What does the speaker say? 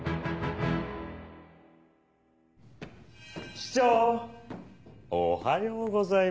市長おはようございます。